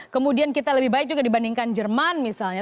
kemudian kita lebih baik juga dibandingkan jerman misalnya